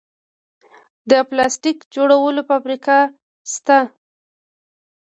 د پلاستیک جوړولو فابریکې شته